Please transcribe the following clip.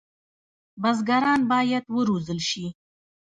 بزګران باید وروزل شي.